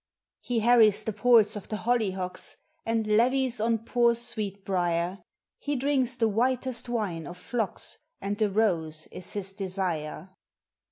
He harries the ports of the Hollyhocks, And levies on poor Sweetbrier; He drinks the whitest wine of Phlox, And the Rose is his desire.